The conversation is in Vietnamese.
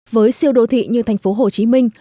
với siêu đô thị như thành phố hồ chí minh